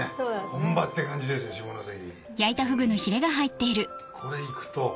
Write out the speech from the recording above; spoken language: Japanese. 本場って感じですよ下関。